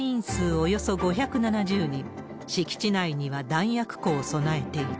およそ５７０人、敷地内には弾薬庫を備えている。